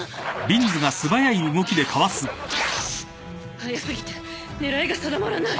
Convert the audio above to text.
速過ぎて狙いが定まらない。